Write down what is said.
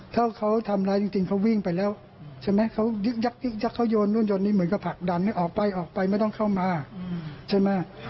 ถ้าเขาทำร้ายจริงเขาวิ่งไปแล้วใช่ไหมเขายกเขายนนี่เหมือนกับผักดันออกไปไม่ต้องเข้ามาใช่ไหม